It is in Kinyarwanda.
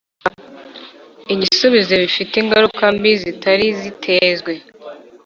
igisubizo bifite ingaruka mbi zitari zitezwe